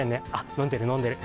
飲んでる、飲んでる。